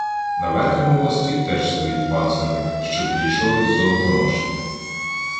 На верхньому мості теж стоїть панцерник, що підійшов із Золотоноші.